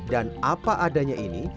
dan apa adanya ini